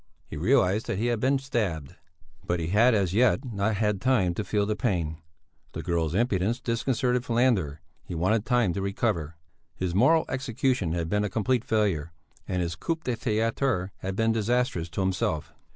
He realized that he had been stabbed, but he had as yet not had time to feel the pain. The girl's impudence disconcerted Falander; he wanted time to recover; his moral execution had been a complete failure, and his coup de théâtre had been disastrous to himself.